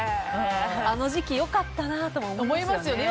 あの時期、良かったなとも思いますよね。